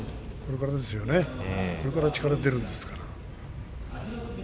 これから力が出るんですから。